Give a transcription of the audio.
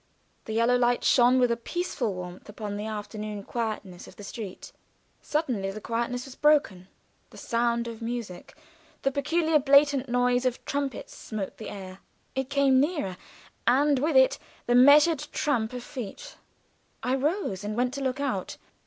The yellow light shone with a peaceful warmth upon the afternoon quietness of the street. Suddenly that quietness was broken. The sound of music, the peculiar blatant noise of trumpets smote the air. It came nearer, and with it the measured tramp of feet. I rose and went to look out.